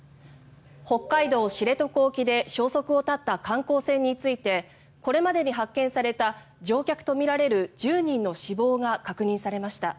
北海道・知床沖で消息を絶った観光船についてこれまでに発見された乗客とみられる１０人の死亡が確認されました。